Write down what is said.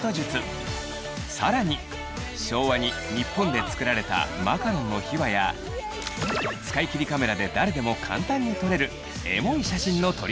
更に昭和に日本で作られたマカロンの秘話や使い切りカメラで誰でも簡単に撮れるエモい写真の撮り方も！